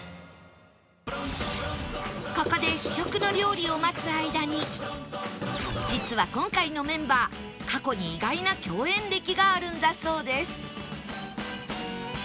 ここで試食の料理を待つ間に実は今回のメンバー過去に意外な共演歴があるんだそうです